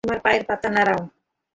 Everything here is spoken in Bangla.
তোমার পায়ের পাতা নাড়াও।